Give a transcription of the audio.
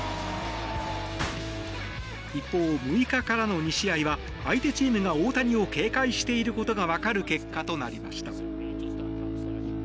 一方、６日からの２試合は相手チームが大谷を警戒していることがわかる結果となりました。